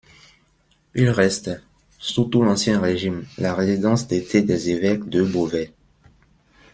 Il reste, sous tout l'Ancien Régime, la résidence d'été des évêques de Beauvais.